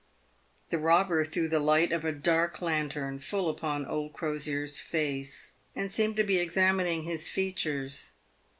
The robber threw the light of a dark lantern full upon old Crosier's face, and seemed to be examining his features.